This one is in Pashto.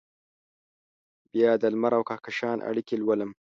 بیا دلمر اوکهکشان اړیکې لولم